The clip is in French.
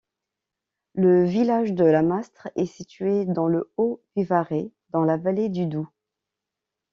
Le village de Lamastre est situé dans le Haut-Vivarais, dans la vallée du Doux.